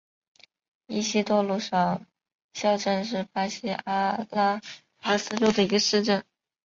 伊西多鲁少校镇是巴西阿拉戈斯州的一个市镇。